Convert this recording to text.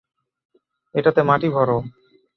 এটাতে মাটি ভরো!